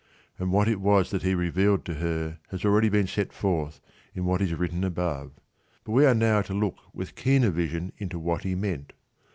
And what it was that he revealed to her has already been set forth in what is written above ; but we are now to look with keener vision into what he meant.